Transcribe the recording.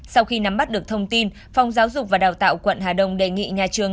sau khi nắm bắt được thông tin phòng giáo dục và đào tạo quận hà đông đề nghị nhà trường